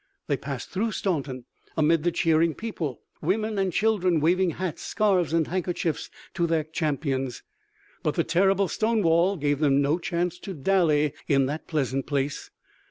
They passed through Staunton, amid the cheering people, women and children waving hats, scarfs and handkerchiefs to their champions. But the terrible Stonewall gave them no chance to dally in that pleasant place.